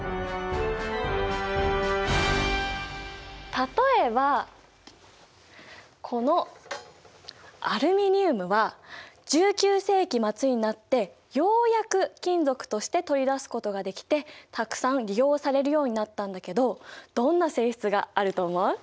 例えばこのアルミニウムは１９世紀末になってようやく金属として取り出すことができてたくさん利用されるようになったんだけどどんな性質があると思う？